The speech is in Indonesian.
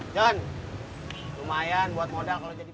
john lumayan buat modal kalau jadi